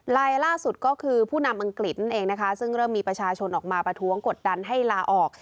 ลายล่าสุดก็คือผู้นำอังกฤษนั่นเองนะคะซึ่งเริ่มมีประชาชนออกมาประท้วงกดดันให้ลาออก